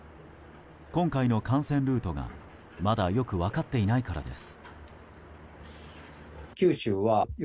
今回の感染ルートが、まだよく分かっていないからです。